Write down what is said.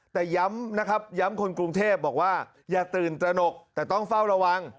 แต่ย้ำนะครับย้ำคนกรุงเทพบอกว่าอย่าตื่นตระหนกแต่ต้องเฝ้าระวัง